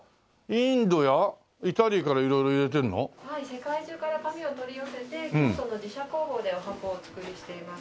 世界中から紙を取り寄せて京都の自社工房でお箱をお作りしています。